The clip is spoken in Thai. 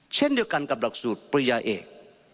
เช่นเดียวกันกับหลักสูตรปริญญาเอก